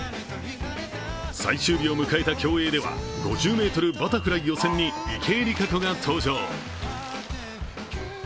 最終日を迎えた競泳では、５０ｍバタフライ予選に池江璃花子が登場。